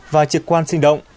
và trực quan sinh động